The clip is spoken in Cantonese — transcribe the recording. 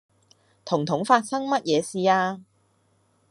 彤彤發生乜嘢事呀